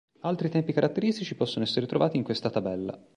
Altri tempi caratteristici possono essere trovati in questa tabella.